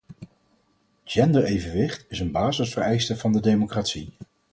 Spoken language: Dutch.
Genderevenwicht is een basisvereiste van de democratie.